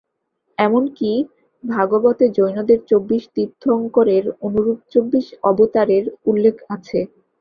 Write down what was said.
এমন কি ভাগবতে জৈনদের চব্বিশ তীর্থঙ্করের অনুরূপ চব্বিশ অবতারের উল্লেখ আছে।